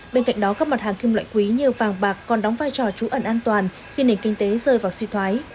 bên cạnh đó các mặt hàng kim loại quý như vàng bạc còn đóng vai trò trú ẩn an toàn khi nền kinh tế rơi vào suy thoái